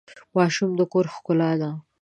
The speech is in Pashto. ماشومان د کور ښکلا ده.